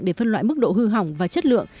để phân loại mức độ hư hỏng và chất lượng